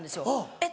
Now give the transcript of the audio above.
えっ？